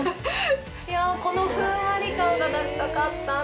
いやこのふんわり感が出したかったんですよ。